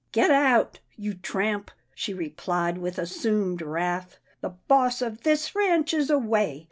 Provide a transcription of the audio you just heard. " Get out, you tramp," she replied with assumed wrath. " The boss of this ranch is away.